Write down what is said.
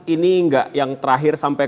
ini enggak yang terakhir sampai